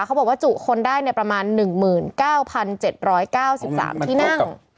เขาบอกว่าจุคนได้ประมาณ๑๙๗๙๓ที่นั่ง